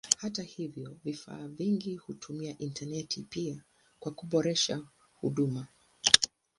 Hata hivyo vifaa vingi hutumia intaneti pia kwa kuboresha huduma.